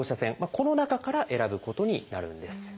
この中から選ぶことになるんです。